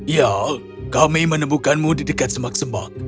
ya kami menemukanmu di dekat semak semak